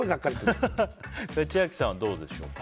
千秋さん、どうでしょうか？